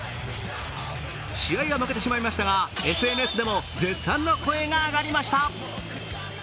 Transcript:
試合は負けてしまいましたがＳＮＳでも絶賛の声が上がりました。